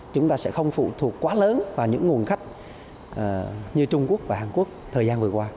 chúng ta sẽ không phụ thuộc quá lớn vào những nguồn khách như trung quốc và hàn quốc thời gian vừa qua